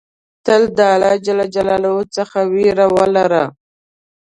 تل د الله ج څخه ویره ولره.